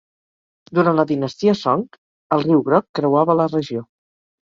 Durant la dinastia Song, el riu Groc creuava la regió.